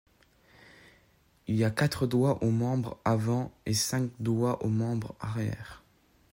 Il a quatre doigts aux membres avant et cinq doigts aux membres arrière.